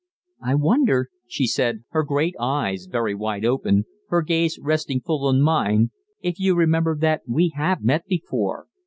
"I wonder," she said, her great eyes very wide open, her gaze resting full on mine, "if you remember that we have met before.